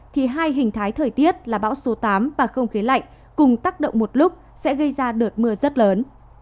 thì hai hình thái thời tiết là bão số tám và không khí lạnh cùng tác động một lúc sẽ gây ra đợt mưa rất lớn